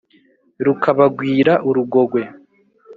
rukabagwira urugogwe.